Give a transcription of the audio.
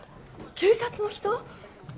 警察の人！？